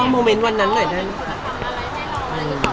ลองโมเมนต์วันนั้นหน่อยได้